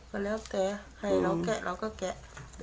ไปแล้วแกะใครเราแกะเราก็แกะ